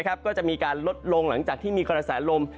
ก็จะมีการลดลงหลังจากที่มีกระแสลม